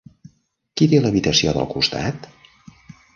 Qui té l'habitació del costat?